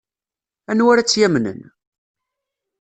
Anwa ara tt-yamnen?